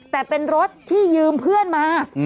แต่เป็นรถที่ยืมเพื่อนมา